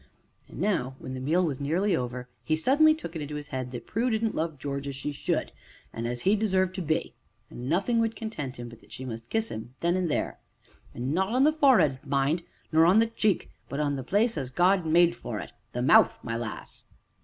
And now, when the meal was nearly over, he suddenly took it into his head that Prue didn't love George as she should and as he deserved to be, and nothing would content him but that she must kiss him then and there. "An' not on the forr'ud, mind nor on the cheek, but on the place as God made for it the mouth, my lass!"